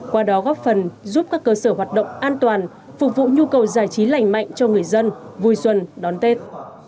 qua đó góp phần giúp các cơ sở hoạt động an toàn phục vụ nhu cầu giải trí lành mạnh cho người dân vui xuân đón tết